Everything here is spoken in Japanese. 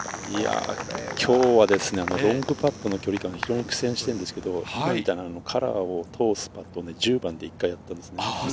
きょうはロングパットの距離感に苦戦しているんですけれど、カラーを通すパットを１０番で一回やったんです。